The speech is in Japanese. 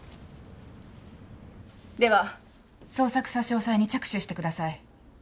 では捜索差押に着手してください。